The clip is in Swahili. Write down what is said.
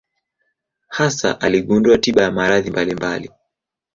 Hasa aligundua tiba ya maradhi mbalimbali.